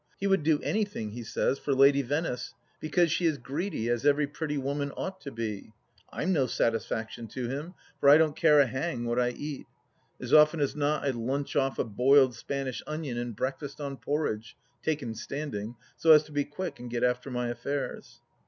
He would do anything he says for Lady Venice, because she is greedy, as every pretty woman ought to be. I'm no satisfaction to him, for I don't care a hang what I eat : as often as not I lunch oft a boiled Spanish onion and breakfast on porridge, taken standing, so as to be quick and get after my affairs.